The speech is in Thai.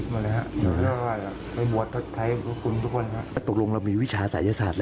ไม่มีหรอ